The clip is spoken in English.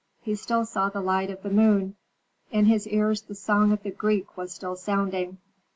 He still saw the light of the moon; in his ears the song of the Greek was still sounding.